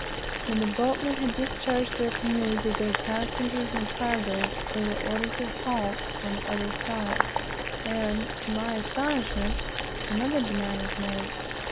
When the boatmen had discharged their canoes of their passengers and cargoes, they were ordered to halt on the other side, and, to my astonishment, another demand was made.